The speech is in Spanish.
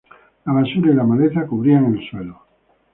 La basura y la maleza cubrían el suelo.